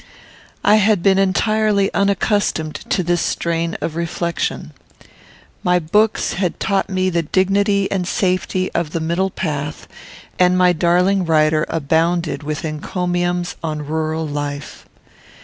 I had been entirely unaccustomed to this strain of reflection. My books had taught me the dignity and safety of the middle path, and my darling writer abounded with encomiums on rural life.